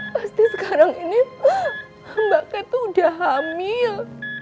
pasti sekarang ini mbak cat itu sudah hamil